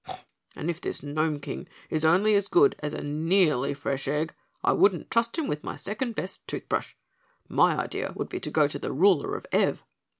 And if this Gnome King is only as good as a nearly fresh egg, I wouldn't trust him with my second best tooth brush. My idea would be to go to the ruler of Ev."